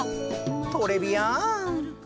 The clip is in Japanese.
トレビアン。